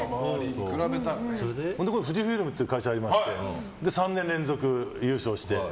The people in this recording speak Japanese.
富士フイルムっていう会社入りまして３年連続優勝して。